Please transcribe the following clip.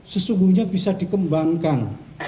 sesungguhnya bisa dikembangkan